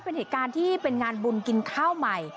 เป็นเหตุการณ์ที่เป็นงานบุญกินข้าวใหม่